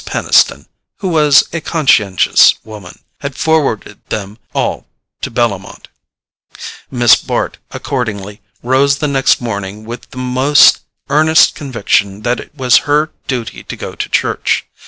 Peniston, who was a conscientious woman, had forwarded them all to Bellomont. Miss Bart, accordingly, rose the next morning with the most earnest conviction that it was her duty to go to church.